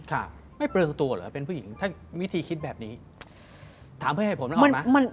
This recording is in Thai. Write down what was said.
ค่ะไม่เปลืองตัวเหรอเป็นผู้หญิงถ้าวิธีคิดแบบนี้ถามเพื่อให้ผมนึกออกไหม